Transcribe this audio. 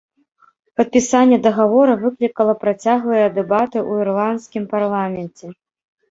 Падпісанне дагавора выклікала працяглыя дэбаты ў ірландскім парламенце.